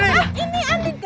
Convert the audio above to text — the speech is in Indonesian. salahin terus ya